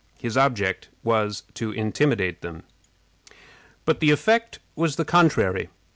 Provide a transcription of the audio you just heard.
His object was to intimidate them. But the effect was the contrary.